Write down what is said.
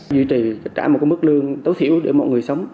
duy trì trả một mức lương tối thiểu để mọi người sống